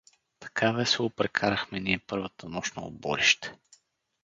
Така весело прекарахме ние първата нощ на Оборище.